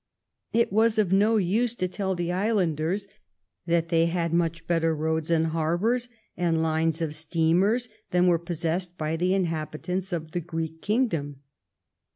It was of no use to tell the islanders that they had much better roads and harbors and lines of steamers than were possessed by the inhabitants of the Greek King dom.